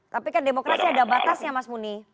tapi kan demokrasi ada batasnya mas muni